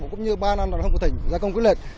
cũng như ba năm đoàn thông của tỉnh ra công quyết liệt